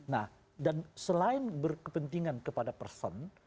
nah dan selain berkepentingan kepada person